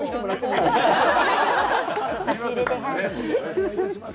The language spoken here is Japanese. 今度、差し入れで。